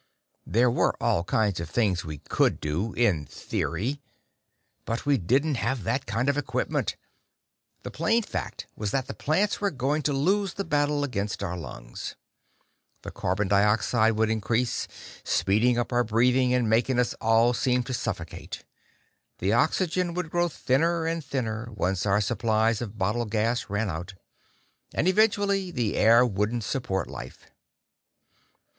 There were all kinds of things we could do in theory. But we didn't have that kind of equipment. The plain fact was that the plants were going to lose the battle against our lungs. The carbon dioxide would increase, speeding up our breathing, and making us all seem to suffocate. The oxygen would grow thinner and thinner, once our supplies of bottled gas ran out. And eventually, the air wouldn't support life.